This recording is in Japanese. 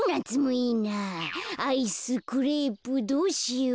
アイスクレープどうしよう。